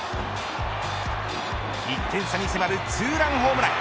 １点差に迫るツーランホームラン。